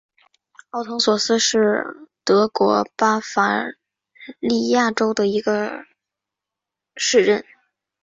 奥滕索斯是德国巴伐利亚州的一个市镇。